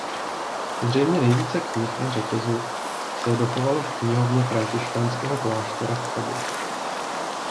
Zřejmě nejvíce knih na řetězu se dochovalo v knihovně františkánského kláštera v Chebu.